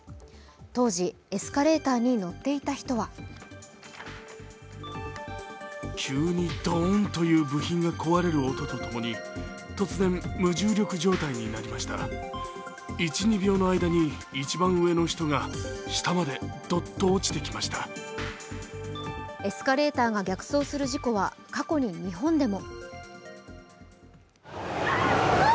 当時、エスカレーターに乗っていた人はエスカレーターが逆走する事故は過去に日本でも。